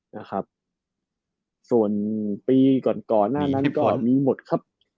นะครับส่วนปีก่อนก่อนหน้านั้นก็มีหมดครับ